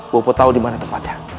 bopo tau dimana tempatnya